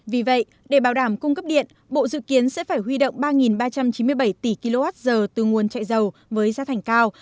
vì vậy để bảo đảm cung cấp điện bộ dự kiến sẽ phải huy động ba ba trăm chín mươi bảy tỷ kwh từ nguồn chạy dầu với giá thành cao